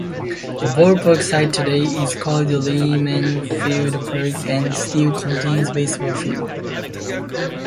The ballpark site today is called "Leeman Field Park" and still contains baseball fields.